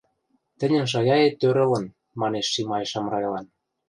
— Тӹньӹн шаяэт тӧр ылын, — манеш Шимай Шамрайлан.